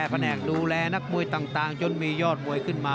ฝนแห่งดูแลนักมวยต่างจนักมวยมา